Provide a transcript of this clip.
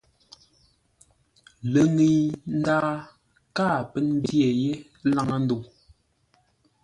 Ləŋəi ndaa káa pə́ ndyé yé laŋə́-ndə̂u.